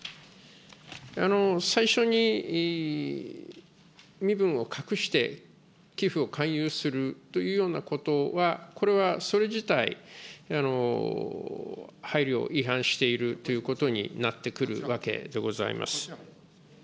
最初に身分を隠して、寄付を勧誘するというようなことは、これはそれ自体、配慮違反しているということになってくるわけでございます。